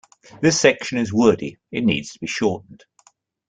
This section is wordy, it needs to be shortened.